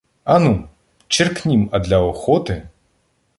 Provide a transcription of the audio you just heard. Ану! Черкнім — а для охоти